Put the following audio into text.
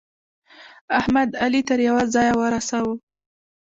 احمد؛ علي تر يوه ځايه ورساوو.